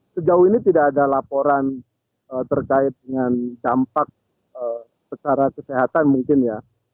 sejauh ini tidak ada laporan terkait dengan campak secara kesehatan mungkin ya